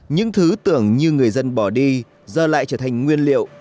những thứ tưởng như người dân bỏ đi giờ lại trở thành nguyên liệu